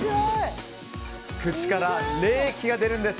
口から冷気が出てくるんです！